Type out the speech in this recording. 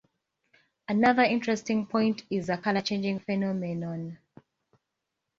Another interesting point is a colour-changing phenomenon.